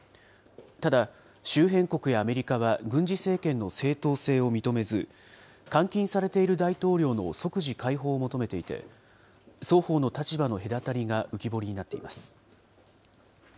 ただ、周辺国やアメリカは軍事政権の正当性を認めず、監禁されている大統領の即時解放を求めていて、双方の立場の隔たりが浮き彫りになっています。